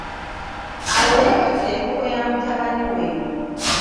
Awo yajjukila enkoko ya mutabani we.